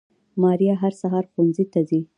ماريه هر سهار ښوونځي ته ځي